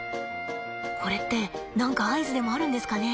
これって何か合図でもあるんですかね？